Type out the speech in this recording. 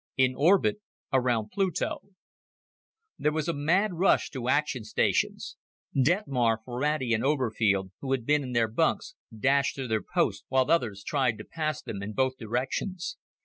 In Orbit Around Pluto There was a mad rush to action stations. Detmar, Ferrati and Oberfield, who had been in their bunks, dashed to their posts while others tried to pass them in both directions.